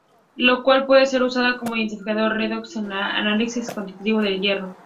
La cual puede ser usada como indicador redox en el análisis cuantitativo del hierro.